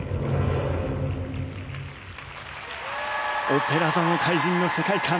『オペラ座の怪人』の世界観